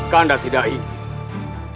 kanda tidak ingin